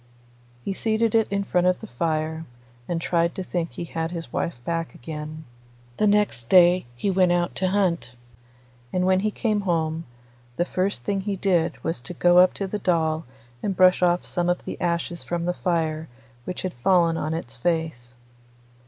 He seated it in front of the fire, and tried to think he had his wife back again. The next day he went out to hunt, and when he came home the first thing he did was to go up to the doll and brush off some of the ashes from the fire which had fallen on its face.